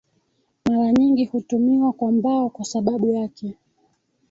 mara nyingi hutumiwa kwa mbao kwa sababu yake